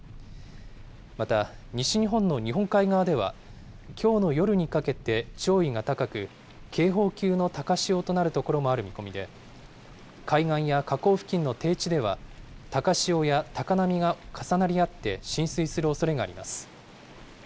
また、西日本の日本海側ではきょうの夜にかけて潮位が高く、警報級の高潮となる見込みがあり、海岸や河口付近の低地では、高潮や高波が重なり合って浸水するおそれがあります。